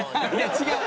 違う。